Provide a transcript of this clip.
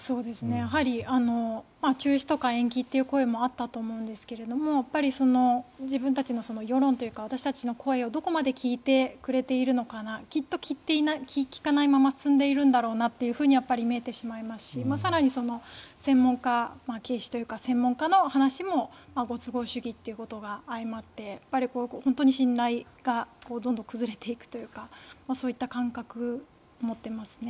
やはり休止とか延期という声もあったと思うんですが自分たちの世論というか私たちの声をどこまで聞いてくれているのかなきっと聞かないまま進んでいるんだろうなとやっぱり見えてしまいますし更に専門家軽視というか専門家の話もご都合主義ということが相まって本当に信頼がどんどん崩れていくというかそういった感覚を持ってますね。